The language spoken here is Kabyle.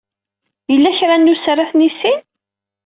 Yella kra nuser ad t-nissin?